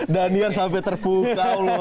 daniar sampai terpukau loh